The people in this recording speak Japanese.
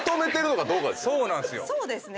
そうですね。